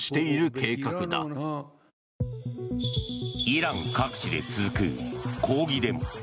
イラン各地で続く抗議デモ。